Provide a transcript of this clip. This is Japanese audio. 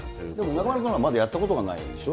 中丸君はまだやったことがないんでしょ。